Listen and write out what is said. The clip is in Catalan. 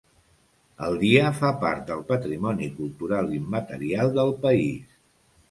El dia fa part del patrimoni cultural immaterial del país.